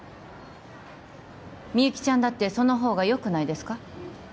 みゆきちゃんだってそのほうがよくないですか？